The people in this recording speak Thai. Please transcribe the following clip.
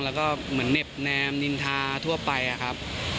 แล้วก็เหมือนเน็บแนมนินทาทั่วไปอะครับ